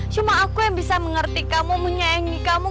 cuma aku yang bisa mengerti kamu menyayangi kamu